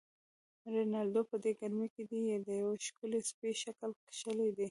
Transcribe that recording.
رینالډي: په دې ګرمۍ کې دې د یوه ښکلي سپي شکل کښلی دی.